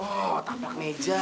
oh tapak meja